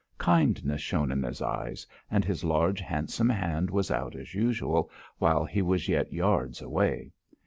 Kindness shone in his eyes, and his large, handsome hand was out as usual while he was yet yards away.